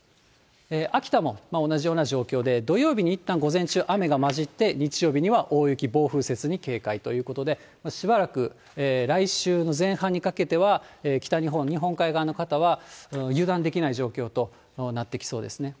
秋田も同じような状況で、土曜日にいったん午前中、雨が交じって、日曜日には大雪、暴風雪に警戒ということで、しばらく来週の前半にかけては、北日本、日本海側の方は、油断できない状況となってきそうですね。